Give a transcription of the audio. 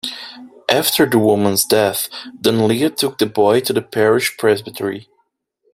After the woman's death, Dunlea took the boy to the parish presbytery.